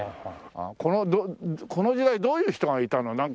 このこの時代どういう人がいたの？